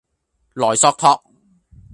萊索托